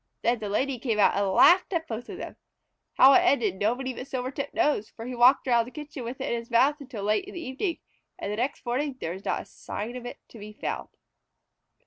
Then the Lady came out and laughed at both of them. How it ended nobody but Silvertip knows, for he walked around the kitchen with it in his mouth until late in the evening, and the next morning there was not a sign of it to be found.